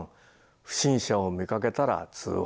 「不審者を見かけたら通報」。